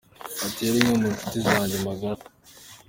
Ati "Yari imwe mu nshuti zanjye magara.